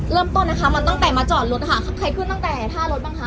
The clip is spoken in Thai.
เริ่มต้นนะคะมันตั้งแต่มาจอดรถนะคะใครขึ้นตั้งแต่ท่ารถบ้างคะ